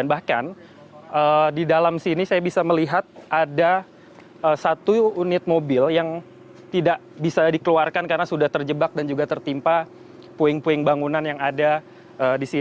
bahkan di dalam sini saya bisa melihat ada satu unit mobil yang tidak bisa dikeluarkan karena sudah terjebak dan juga tertimpa puing puing bangunan yang ada di sini